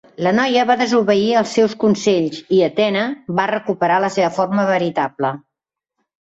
La noia va desoir els seus consells, i Atena va recuperar la seva forma veritable.